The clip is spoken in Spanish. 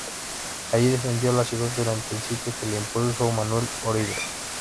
Allí defendió la ciudad durante el sitio que le impuso Manuel Oribe.